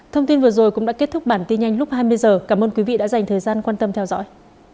thông tin vừa rồi cũng đã kết thúc bản tin nhanh lúc hai mươi h cảm ơn quý vị đã dành thời gian quan tâm theo dõi